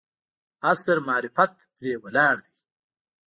عصر معرفت پرې ولاړ دی.